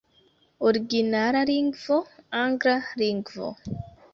Originala lingvo: angla lingvo.